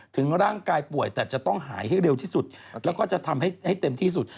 ถึงร่างกายป่วยแต่จะต้องหายให้เร็วที่สุดแล้วก็จะทำให้เต็มที่สุด